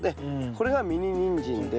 これがミニニンジンです。